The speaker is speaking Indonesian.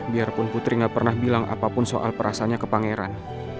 biar pun putri gak pernah bilang apapun soal perasanya ke pangeran